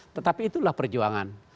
tetapi itulah perjuangan